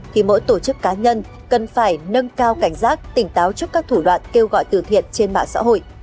thì mỗi tổ chức cá nhân cần phải nâng cao cảnh giác tỉnh táo trước các thủ đoạn kêu gọi từ thiện trên mạng xã hội